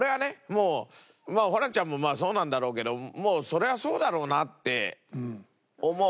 もうまあホランちゃんもそうなんだろうけどもうそりゃそうだろうなって思う。